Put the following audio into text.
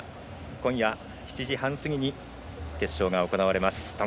今夜７時半過ぎに決勝が行われます。